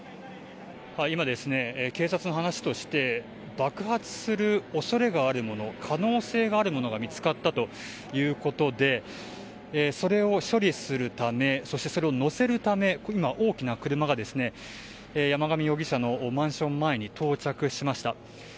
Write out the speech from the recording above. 今ですね、警察の話として爆発するおそれがあるもの可能性があるものが見つかったということでそれを処理するためそれを載せるため今、大きな車が山上容疑者のマンション前に到着しました。